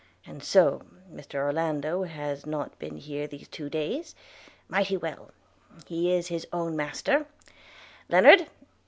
And so Mr Orlando has not been here these two days! Mighty well; he is his own master – Lennard!